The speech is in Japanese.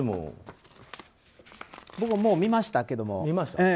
僕はもう見ましたけど。